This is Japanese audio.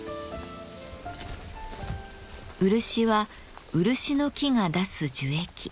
漆は漆の木が出す樹液。